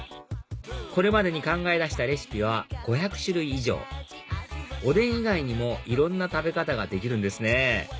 これまでに考え出したレシピは５００種類以上おでん以外にもいろんな食べ方ができるんですね